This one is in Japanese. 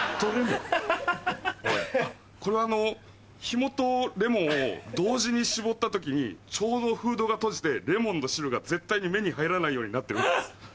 これはひもとレモンを同時に搾った時にちょうどフードが閉じてレモンの汁が絶対に目に入らないようになってるんです。